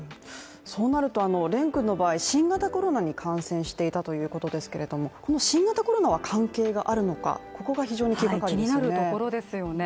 そうなると蓮君の場合新型コロナに感染していたということですけれども、この新型コロナは関係があるのか、ここが非常に気になるところですよね